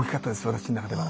私の中では。